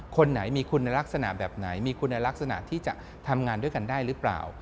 คนไหนมีคุณลักษณะแบบไหนมีคุณลักษณะที่จะทำงานด้วยกันได้หรือเปล่า